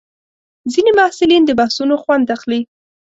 ځینې محصلین د بحثونو خوند اخلي.